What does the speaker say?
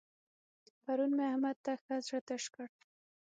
پرون مې احمد ته ښه زړه تش کړ.